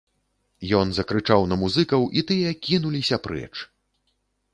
Ён закрычаў на музыкаў і тыя кінуліся прэч.